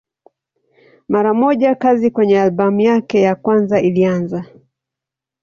Mara moja kazi kwenye albamu yake ya kwanza ilianza.